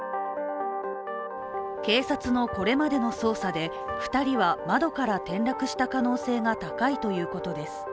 警察のこれまでの捜査で、２人は窓から転落した可能性が高いということです。